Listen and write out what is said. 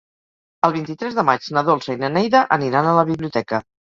El vint-i-tres de maig na Dolça i na Neida aniran a la biblioteca.